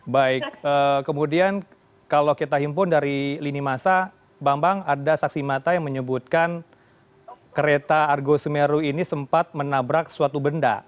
baik kemudian kalau kita himpun dari lini masa bambang ada saksi mata yang menyebutkan kereta argo semeru ini sempat menabrak suatu benda